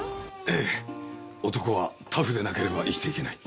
ええ男はタフでなければ生きていけない。